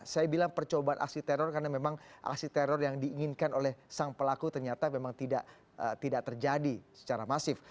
saya bilang percobaan aksi teror karena memang aksi teror yang diinginkan oleh sang pelaku ternyata memang tidak terjadi secara masif